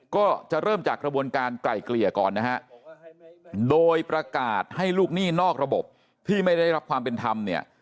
ก็จะเริ่มจากกระบวนการไกล่เกลี่ยก่อนนะฮะโดยประกาศให้ลูกหนี้นอกระบบที่ไม่ได้รับความเป็นธรรมเนี่ย